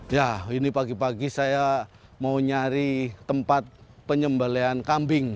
ya ini pagi pagi saya mau nyari tempat penyembelian kambing